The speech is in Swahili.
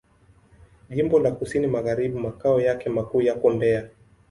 Jimbo la Kusini Magharibi Makao yake makuu yako Mbeya.